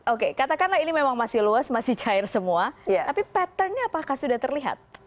oke katakanlah ini memang masih luas masih cair semua tapi patternnya apakah sudah terlihat